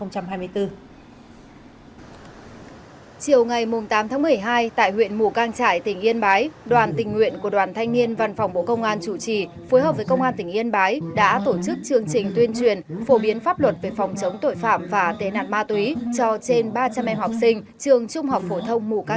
chiều ngày tám tháng một mươi hai tại huyện mù cang trải tỉnh yên bái đoàn tình nguyện của đoàn thanh niên văn phòng bộ công an chủ trì phối hợp với công an tỉnh yên bái đã tổ chức chương trình tuyên truyền phổ biến pháp luật về phòng chống tội phạm và tệ nạn ma túy cho trên ba trăm linh em học sinh